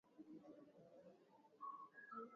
Hakuna mtu hapa tangu jana